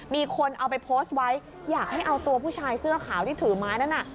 มีคนเอาไปโพสต์ไว้อยากให้เอาตัวผู้ชายเสื้อขาวที่ถือไม้นั้นน่ะ